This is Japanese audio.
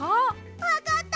わかった！